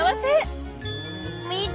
見て！